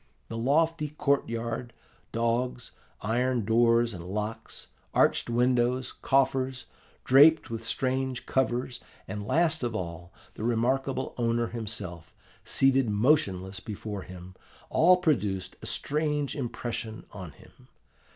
The lofty court yard, dogs, iron doors and locks, arched windows, coffers, draped with strange covers, and, last of all, the remarkable owner himself, seated motionless before him, all produced a strange impression on him.